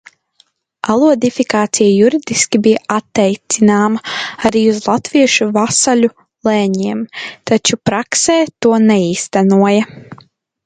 Alodifikācija juridiski bija attiecināma arī uz latviešu vasaļu lēņiem, taču praksē to neīstenoja.